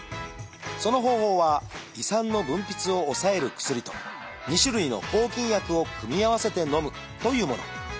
その方法は胃酸の分泌を抑える薬と２種類の抗菌薬を組み合わせてのむというもの。